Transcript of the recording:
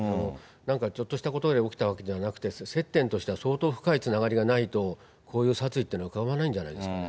なんかちょっとしたことで起きたわけではなくて、接点としては相当深いつながりがないと、こういう殺意っていうのは浮かばないんじゃないですか。